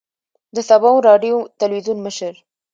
د سباوون راډیو تلویزون مشر دی.